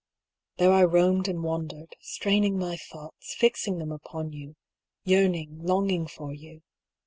There I roamed and wandered, straining my thoughts, fixing them upon you— yearning, longing for you.